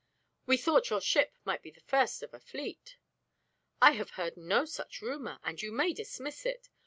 We thought your ship might be the first of a fleet." "I have heard no such rumor, and you may dismiss it.